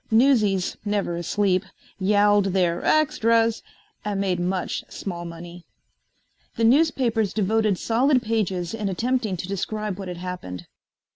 Newsies, never asleep, yowled their "Wuxtras" and made much small money. The newspapers devoted solid pages in attempting to describe what had happened.